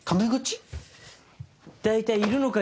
大体いるのかよ？